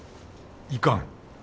いかん。